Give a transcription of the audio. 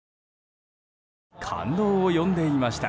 感動を呼んでいました。